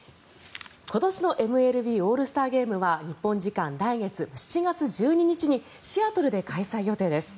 今年のＭＬＢオールスターゲームは日本時間来月７月１２日にシアトルで開催予定です。